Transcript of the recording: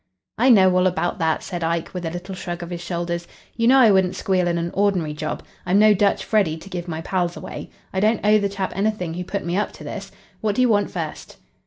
"I know all about that," said Ike, with a little shrug of his shoulders. "You know I wouldn't squeal in an ordinary job. I'm no Dutch Freddy to give my pals away. I don't owe the chap anything who put me up to this. What do you want first?"